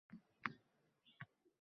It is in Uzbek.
Mehr bilan desang bas onam